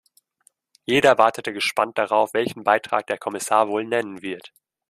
Jeder wartete gespannt darauf, welchen Betrag der Kommissar wohl nennen wird.